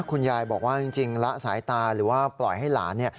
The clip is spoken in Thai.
คุณยายบอกว่าจริงละสายตาหรือว่าปล่อยให้หลาน